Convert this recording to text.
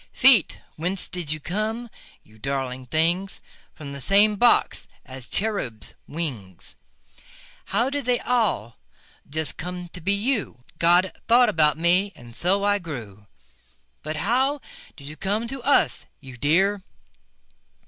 Feet, whence did you come, you darling things? From the same box as the cherubs' wings. How did they all just come to be you? God thought about me, and so I grew. But how did you come to us, you dear?